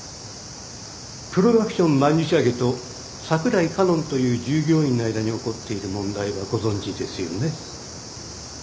プロダクション曼珠沙華と櫻井佳音という従業員の間に起こっている問題はご存じですよね？